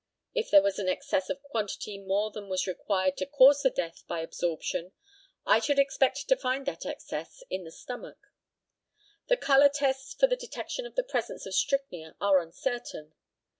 If there was an excess of quantity more than was required to cause the death by absorption, I should expect to find that excess in the stomach. The colour tests for the detection of the presence of strychnia are uncertain.